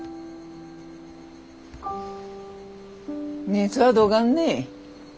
熱はどがんね？